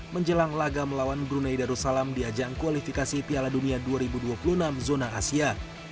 menjelang laga melawan brunei darussalam di ajang kualifikasi piala dunia dua ribu dua puluh enam zona asia